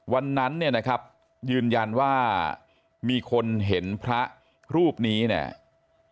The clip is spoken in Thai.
วันนั้นเนี่ยนะครับยืนยันว่ามีคนเห็นพระรูปนี้เนี่ย